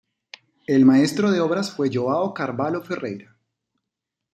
El maestro de obras fue João Carvalho Ferreira.